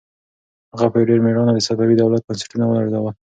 هغه په ډېر مېړانه د صفوي دولت بنسټونه ولړزول.